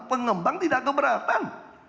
pengembang tidak keberatan